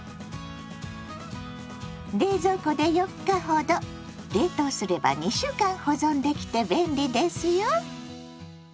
冷蔵庫で４日ほど冷凍すれば２週間保存できて便利ですよ。